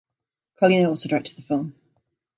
Carlino also directed the film.